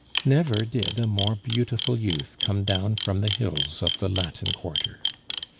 Never did a more beautiful youth come down from the hills of the Latin Quarter.